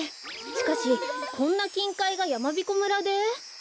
しかしこんなきんかいがやまびこ村で。